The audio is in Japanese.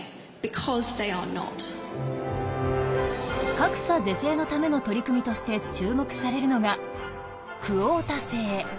格差是正のための取り組みとして注目されるのが「クオータ制」。